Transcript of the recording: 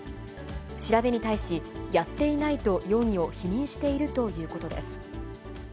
調べに対し、やっていないと容疑を否認しているということです。